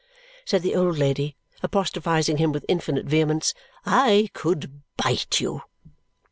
said the old lady, apostrophizing him with infinite vehemence. "I could bite you!"